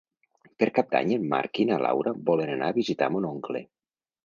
Per Cap d'Any en Marc i na Laura volen anar a visitar mon oncle.